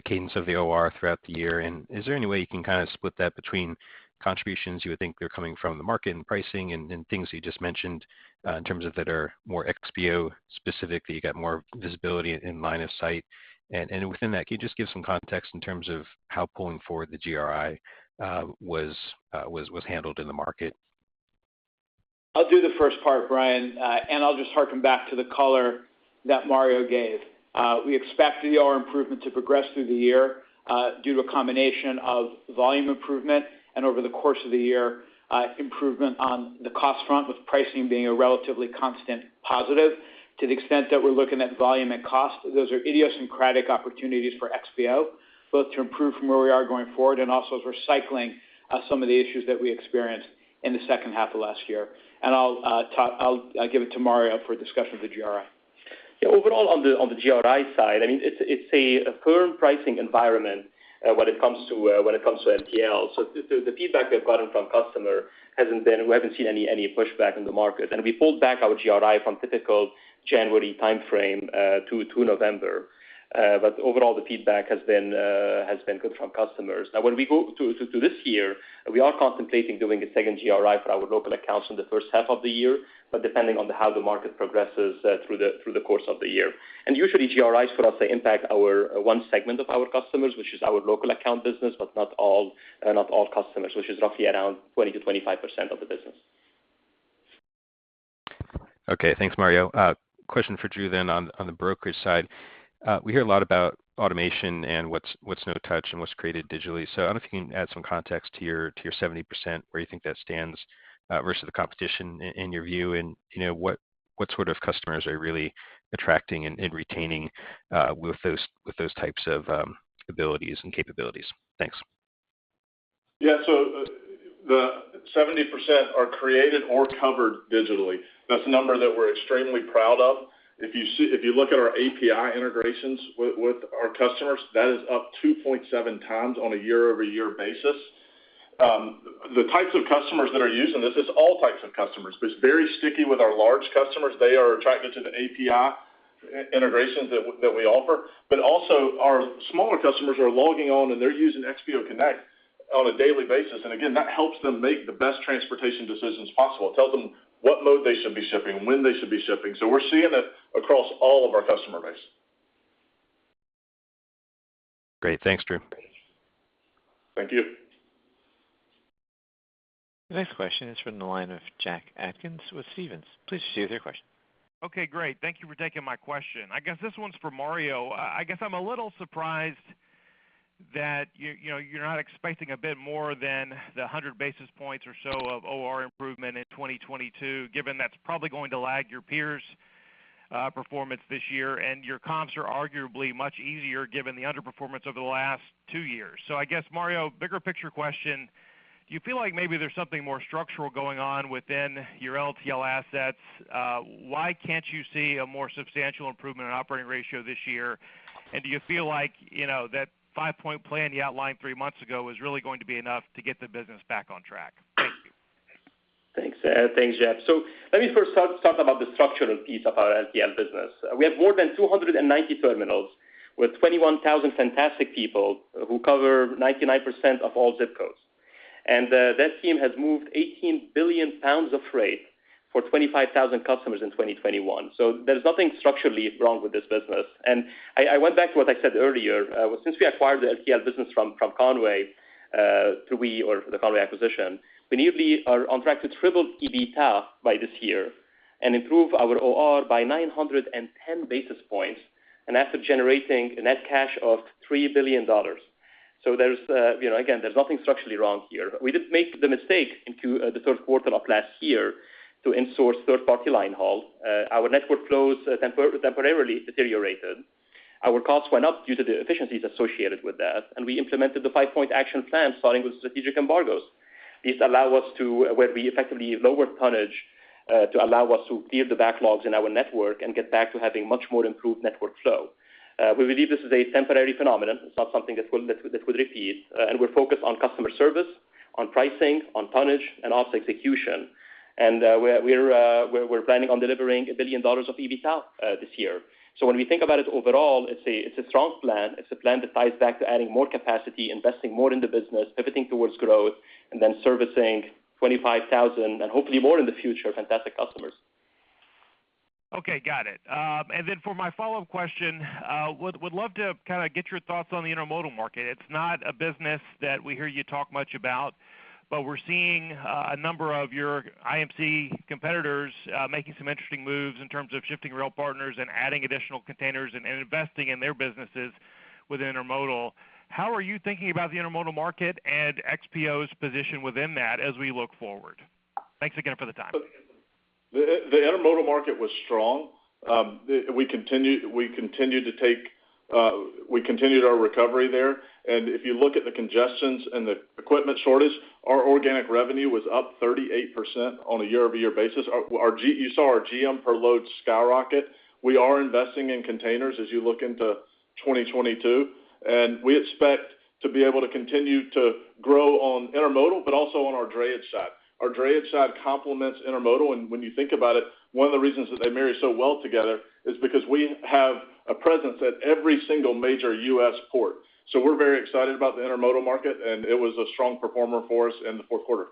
cadence of the OR throughout the year. Is there any way you can kind of split that between contributions you would think they're coming from the market and pricing and things you just mentioned in terms of that are more XPO specific, that you got more visibility in line of sight? Within that, can you just give some context in terms of how pulling forward the GRI was handled in the market? I'll do the first part, Brian, and I'll just harken back to the color that Mario gave. We expect the OR improvement to progress through the year, due to a combination of volume improvement and over the course of the year, improvement on the cost front with pricing being a relatively constant positive. To the extent that we're looking at volume and cost, those are idiosyncratic opportunities for XPO, both to improve from where we are going forward and also as we're cycling some of the issues that we experienced in the second half of last year. I'll give it to Mario for a discussion of the GRI. Yeah. Overall on the GRI side, I mean, it's a current pricing environment when it comes to LTL. The feedback we've gotten from customers hasn't been. We haven't seen any pushback in the market. We pulled back our GRI from typical January timeframe to November. Overall, the feedback has been good from customers. When we go to this year, we are contemplating doing a second GRI for our local accounts in the first half of the year, depending on how the market progresses through the course of the year. Usually GRIs for us, they impact our one segment of our customers, which is our local account business, but not all customers, which is roughly around 20%-25% of the business. Okay. Thanks, Mario. Question for Drew on the brokerage side. We hear a lot about automation and what's no touch and what's created digitally. I don't know if you can add some context to your 70% where you think that stands versus the competition in your view, and you know, what sort of customers are really attracting and retaining with those types of abilities and capabilities? Thanks. Yeah. The 70% are created or covered digitally. That's a number that we're extremely proud of. If you look at our API integrations with our customers, that is up 2.7 times on a year-over-year basis. The types of customers that are using this is all types of customers. It's very sticky with our large customers. They are attracted to the API integrations that we offer. But also our smaller customers are logging on, and they're using XPO Connect on a daily basis. Again, that helps them make the best transportation decisions possible. It tells them what mode they should be shipping, when they should be shipping. We're seeing it across all of our customer base. Great. Thanks, Drew. Thank you. The next question is from the line of Jack Atkins with Stephens. Please proceed with your question. Okay, great. Thank you for taking my question. I guess this one's for Mario. I guess I'm a little surprised that you're, you know, you're not expecting a bit more than the 100 basis points or so of OR improvement in 2022, given that's probably going to lag your peers' performance this year, and your comps are arguably much easier given the underperformance over the last 2 years. I guess, Mario, bigger picture question, do you feel like maybe there's something more structural going on within your LTL assets? Why can't you see a more substantial improvement in operating ratio this year? And do you feel like, you know, that 5-point plan you outlined 3 months ago is really going to be enough to get the business back on track? Thank you. Thanks, Jack. Let me first start about the structural piece of our LTL business. We have more than 290 terminals with 21,000 fantastic people who cover 99% of all zip codes. That team has moved 18 billion pounds of freight for 25,000 customers in 2021. There's nothing structurally wrong with this business. I went back to what I said earlier. Since we acquired the LTL business from Con-way through the Con-way acquisition, we nearly are on track to triple EBITDA by this year and improve our OR by 910 basis points, and that's generating a net cash of $3 billion. There's, you know, again, nothing structurally wrong here. We did make the mistake in the third quarter of last year to in-source third-party line haul. Our network flows temporarily deteriorated. Our costs went up due to the inefficiencies associated with that, and we implemented the five-point action plan, starting with strategic embargoes. These allow us to effectively lower tonnage to allow us to clear the backlogs in our network and get back to having much more improved network flow. We believe this is a temporary phenomenon. It's not something that would repeat. We're focused on customer service, on pricing, on tonnage, and ops execution. We're planning on delivering $1 billion of EBITDA this year. When we think about it overall, it's a strong plan. It's a plan that ties back to adding more capacity, investing more in the business, pivoting towards growth, and then servicing 25,000, and hopefully more in the future, fantastic customers. Okay, got it. For my follow-up question, would love to kind of get your thoughts on the intermodal market. It's not a business that we hear you talk much about, but we're seeing a number of your IMC competitors making some interesting moves in terms of shifting rail partners and adding additional containers and investing in their businesses with intermodal. How are you thinking about the intermodal market and XPO's position within that as we look forward? Thanks again for the time. The intermodal market was strong. We continued our recovery there. If you look at the congestions and the equipment shortage, our organic revenue was up 38% on a year-over-year basis. You saw our GM per load skyrocket. We are investing in containers as you look into 2022, and we expect to be able to continue to grow on intermodal but also on our drayage side. Our drayage side complements intermodal, and when you think about it, one of the reasons that they marry so well together is because we have a presence at every single major U.S. port. We're very excited about the intermodal market, and it was a strong performer for us in the fourth quarter.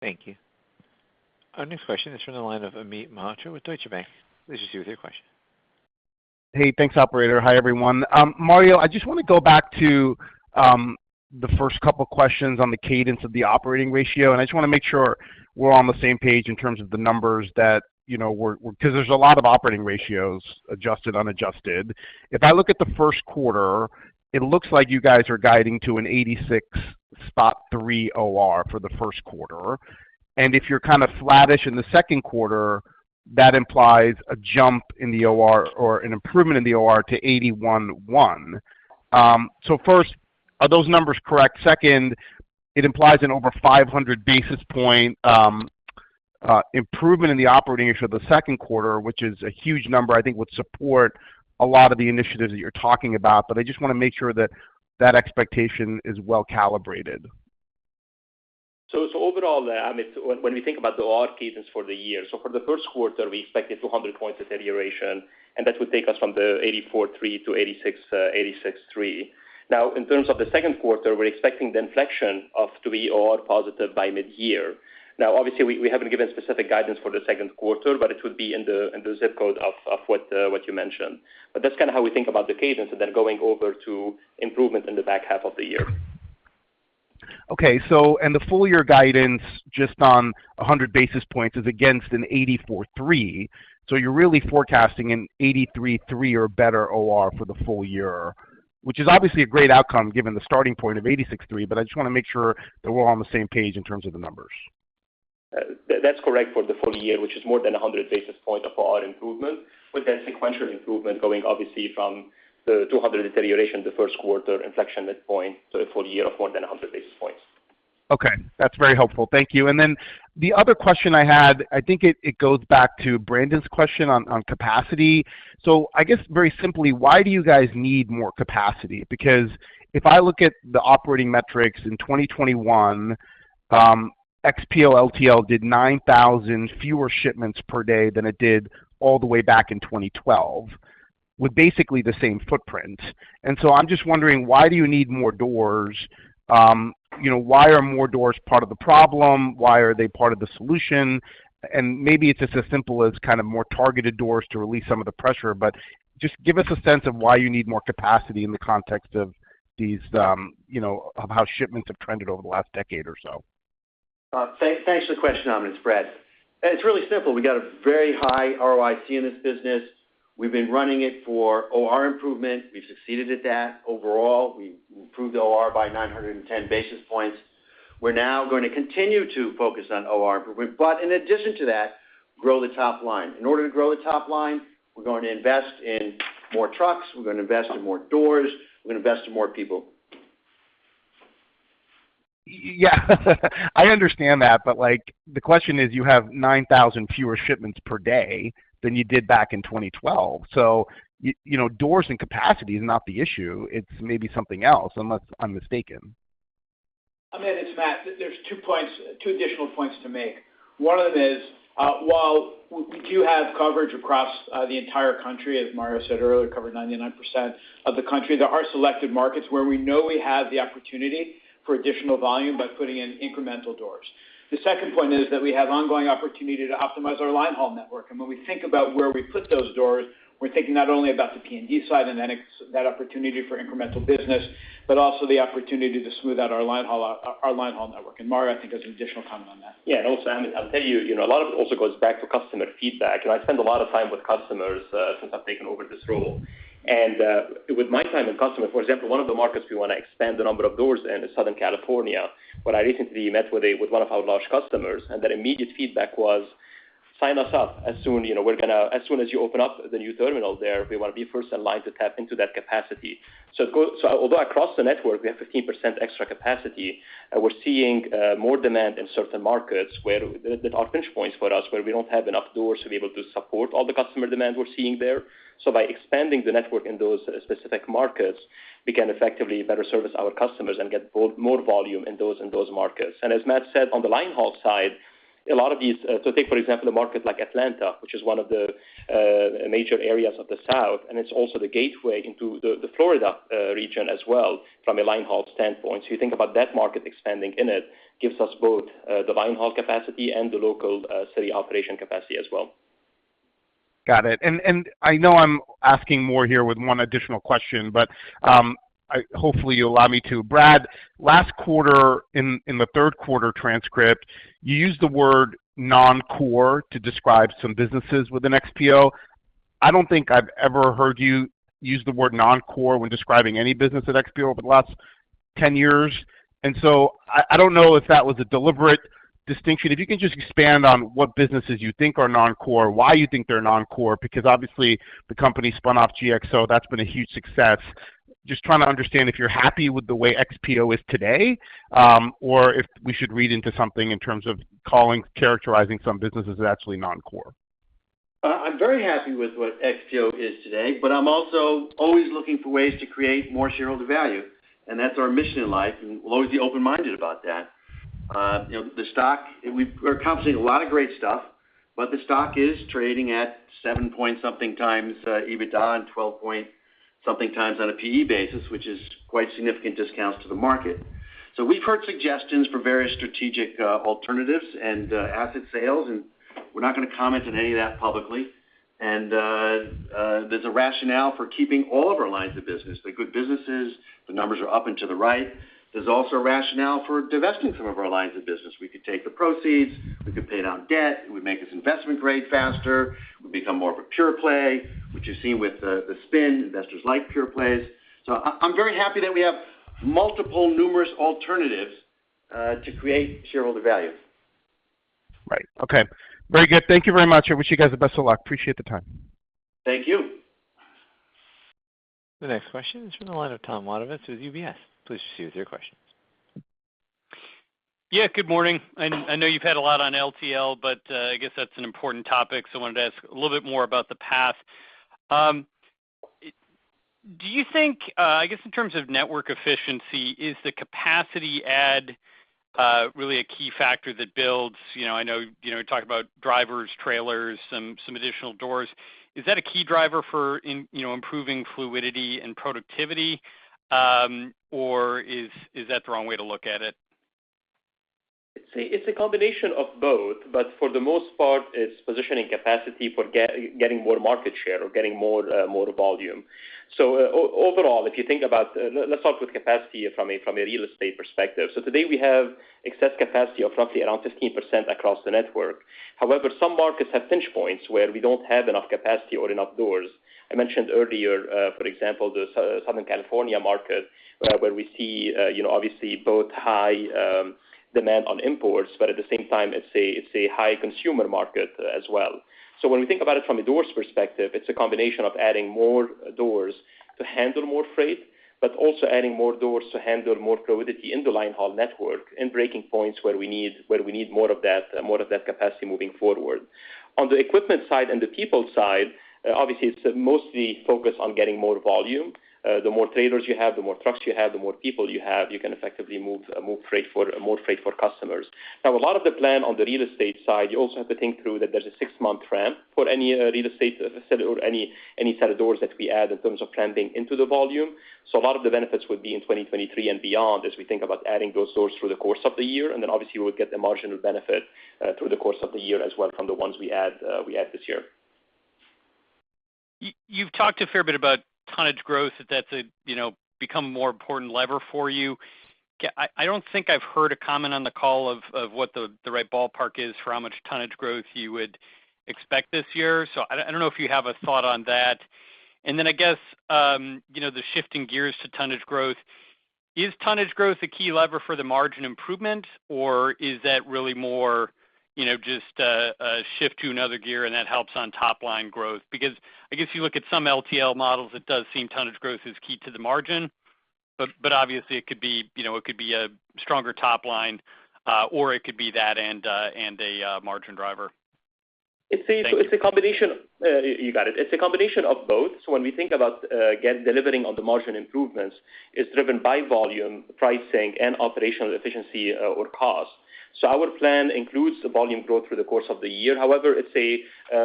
Thank you. Our next question is from the line of Amit Mehrotra with Deutsche Bank. Please proceed with your question. Hey, thanks, operator. Hi, everyone. Mario, I just want to go back to the first couple questions on the cadence of the operating ratio, and I just want to make sure we're on the same page in terms of the numbers that we're 'cause there's a lot of operating ratios, adjusted, unadjusted. If I look at the first quarter, it looks like you guys are guiding to an 86, 83 OR for the first quarter. If you're kind of flattish in the second quarter, that implies a jump in the OR or an improvement in the OR to 81.1. First, are those numbers correct? Second, it implies an over 500 basis point improvement in the operating ratio of the second quarter, which is a huge number, I think would support a lot of the initiatives that you're talking about. I just want to make sure that that expectation is well-calibrated. Overall, Amit, when we think about the OR cadence for the year, for the first quarter, we expected 200 points deterioration, and that would take us from the 84.3%-86.3%. In terms of the second quarter, we're expecting the inflection point to be OR positive by mid-year. Obviously, we haven't given specific guidance for the second quarter, but it would be in the zip code of what you mentioned. That's kind of how we think about the cadence and then going over to improvement in the back half of the year. The full year guidance, just on 100 basis points is against an 84.3%. You're really forecasting an 83.3% or better OR for the full year, which is obviously a great outcome given the starting point of 86.3%. I just want to make sure that we're all on the same page in terms of the numbers. That, that's correct for the full year, which is more than 100 basis points of OR improvement, with that sequential improvement going obviously from the 200 deterioration the first quarter inflection midpoint to a full year of more than 100 basis points. Okay. That's very helpful. Thank you. The other question I had, I think it goes back to Brandon's question on capacity. I guess very simply, why do you guys need more capacity? Because if I look at the operating metrics in 2021, XPO LTL did 9,000 fewer shipments per day than it did all the way back in 2012 with basically the same footprint. I'm just wondering, why do you need more doors? You know, why are more doors part of the problem? Why are they part of the solution? And maybe it's as simple as kind of more targeted doors to relieve some of the pressure. But just give us a sense of why you need more capacity in the context of these, you know, of how shipments have trended over the last decade or so. Thanks for the question, Amit. It's Brad. It's really simple. We got a very high ROIC in this business. We've been running it for OR improvement. We've succeeded at that. Overall, we improved OR by 910 basis points. We're now going to continue to focus on OR improvement, but in addition to that, grow the top line. In order to grow the top line, we're going to invest in more trucks, we're going to invest in more doors, we're going to invest in more people. Yeah, I understand that, but, like, the question is, you have 9,000 fewer shipments per day than you did back in 2012. You know, doors and capacity is not the issue. It's maybe something else, unless I'm mistaken. Amit, it's Matt. There's two additional points to make. One of them is, while we do have coverage across the entire country, as Mario said earlier, covering 99% of the country, there are selected markets where we know we have the opportunity for additional volume by putting in incremental doors. The second point is that we have ongoing opportunity to optimize our line haul network. When we think about where we put those doors, we're thinking not only about the P&D side and then that opportunity for incremental business, but also the opportunity to smooth out our line haul network. Mario, I think, has an additional comment on that. Yeah, Amit, I'll tell you know, a lot of it also goes back to customer feedback. I spend a lot of time with customers since I've taken over this role. With my time with customer, for example, one of the markets we want to expand the number of doors in is Southern California. When I recently met with one of our large customers, their immediate feedback was, "Sign us up as soon as you open up the new terminal there, we want to be first in line to tap into that capacity." Although across the network, we have 15% extra capacity, we're seeing more demand in certain markets where there are pinch points for us, where we don't have enough doors to be able to support all the customer demand we're seeing there. By expanding the network in those specific markets, we can effectively better service our customers and get both more volume in those markets. As Matt said, on the line haul side, a lot of these, so take, for example, a market like Atlanta, which is one of the major areas of the South, and it's also the gateway into the Florida region as well from a line haul standpoint. You think about that market expanding in it, gives us both the line haul capacity and the local city operation capacity as well. Got it. I know I'm asking more here with one additional question, but hopefully, you'll allow me to. Brad, last quarter in the third quarter transcript, you used the word non-core to describe some businesses within XPO. I don't think I've ever heard you use the word non-core when describing any business at XPO over the last 10 years. I don't know if that was a deliberate distinction. If you can just expand on what businesses you think are non-core, why you think they're non-core, because obviously the company spun off GXO, that's been a huge success. Just trying to understand if you're happy with the way XPO is today, or if we should read into something in terms of calling, characterizing some businesses as actually non-core. I'm very happy with what XPO is today, but I'm also always looking for ways to create more shareholder value, and that's our mission in life, and we'll always be open-minded about that. You know, we're accomplishing a lot of great stuff, but the stock is trading at 7-something times EBITDA and 12-something times on a PT basis, which is quite significant discounts to the market. We've heard suggestions for various strategic alternatives and asset sales, and we're not gonna comment on any of that publicly. There's a rationale for keeping all of our lines of business, the good businesses, the numbers are up and to the right. There's also a rationale for divesting some of our lines of business. We could take the proceeds, we could pay down debt, it would make us investment grade faster. We become more of a pure play, which you see with the spin. Investors like pure plays. I'm very happy that we have multiple, numerous alternatives to create shareholder value. Right. Okay. Very good. Thank you very much. I wish you guys the best of luck. Appreciate the time. Thank you. The next question is from the line of Tom Wadewitz with UBS. Please proceed with your questions. Yeah, good morning. I know you've had a lot on LTL, but I guess that's an important topic, so I wanted to ask a little bit more about the path. Do you think, I guess in terms of network efficiency, is the capacity add really a key factor that builds? You know, I know, you know, talk about drivers, trailers, some additional doors. Is that a key driver for improving fluidity and productivity, or is that the wrong way to look at it? It's a combination of both, but for the most part, it's positioning capacity for getting more market share or getting more volume. Overall, if you think about it, let's talk about capacity from a real estate perspective. Today, we have excess capacity of roughly 15% across the network. However, some markets have pinch points where we don't have enough capacity or enough doors. I mentioned earlier, for example, the Southern California market, where we see, you know, obviously both high demand on imports, but at the same time, it's a high consumer market as well. When we think about it from a doors perspective, it's a combination of adding more doors to handle more freight, but also adding more doors to handle more fluidity in the line haul network and breaking points where we need more of that capacity moving forward. On the equipment side and the people side, obviously it's mostly focused on getting more volume. The more trailers you have, the more trucks you have, the more people you have, you can effectively move more freight for customers. Now, a lot of the plan on the real estate side, you also have to think through that there's a six-month ramp for any real estate as I said or any set of doors that we add in terms of planning into the volume. A lot of the benefits would be in 2023 and beyond as we think about adding those doors through the course of the year. Obviously, we'll get the marginal benefit through the course of the year as well from the ones we add this year. You've talked a fair bit about tonnage growth, that's become more important lever for you. I don't think I've heard a comment on the call of what the right ballpark is for how much tonnage growth you would expect this year. I don't know if you have a thought on that. I guess, you know, shifting gears to tonnage growth. Is tonnage growth a key lever for the margin improvement, or is that really more, you know, just a shift to another gear and that helps on top line growth? Because I guess you look at some LTL models, it does seem tonnage growth is key to the margin. Obviously it could be, you know, it could be a stronger top line, or it could be that and a margin driver. Thank you. It's a combination. You got it. It's a combination of both. When we think about again, delivering on the margin improvements, it's driven by volume, pricing, and operational efficiency or cost. Our plan includes the volume growth through the course of the year. However, it's a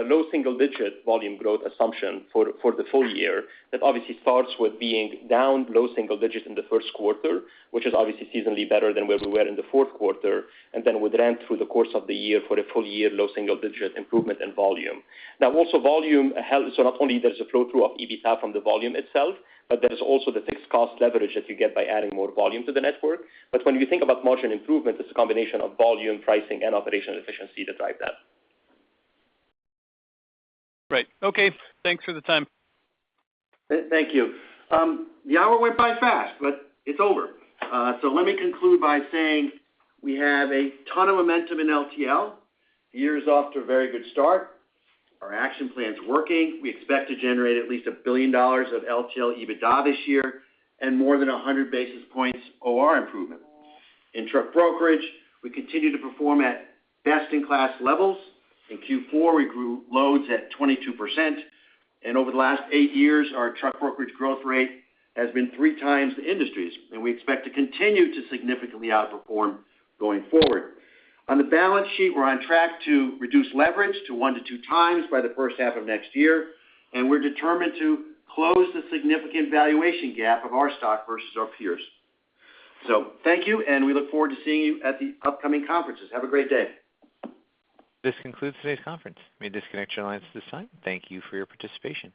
low single digit volume growth assumption for the full year. That obviously starts with being down low single digits in the first quarter, which is obviously seasonally better than where we were in the fourth quarter, and then would ramp through the course of the year for a full year low single digit improvement in volume. Now also volume helps, so not only there's a flow through of EBITDA from the volume itself, but there is also the fixed cost leverage that you get by adding more volume to the network. When you think about margin improvement, it's a combination of volume, pricing, and operational efficiency to drive that. Right. Okay. Thanks for the time. Thank you. The hour went by fast, but it's over. Let me conclude by saying we have a ton of momentum in LTL. The year is off to a very good start. Our action plan's working. We expect to generate at least $1 billion of LTL EBITDA this year and more than 100 basis points OR improvement. In truck brokerage, we continue to perform at best-in-class levels. In Q4, we grew loads at 22%, and over the last 8 years, our truck brokerage growth rate has been three times the industry's, and we expect to continue to significantly outperform going forward. On the balance sheet, we're on track to reduce leverage to 1-2 times by the first half of next year, and we're determined to close the significant valuation gap of our stock versus our peers. Thank you, and we look forward to seeing you at the upcoming conferences. Have a great day. This concludes today's conference. You may disconnect your lines at this time. Thank you for your participation.